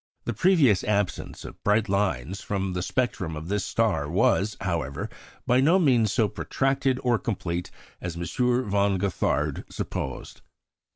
The previous absence of bright lines from the spectrum of this star was, however, by no means so protracted or complete as M. von Gothard supposed.